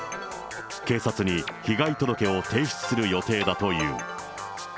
警察に被害届を提出する予定だという。